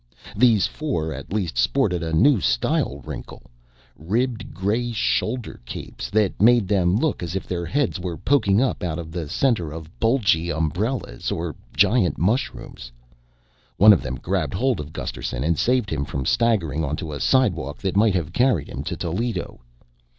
These four at least sported a new style wrinkle: ribbed gray shoulder capes that made them look as if their heads were poking up out of the center of bulgy umbrellas or giant mushrooms. One of them grabbed hold of Gusterson and saved him from staggering onto a slidewalk that might have carried him to Toledo.